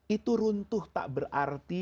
itu runtuh tak berarti